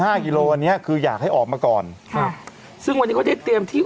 กิโลอันเนี้ยคืออยากให้ออกมาก่อนครับซึ่งวันนี้เขาได้เตรียมที่